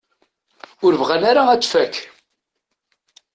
Ur bɣan ara ad tfak.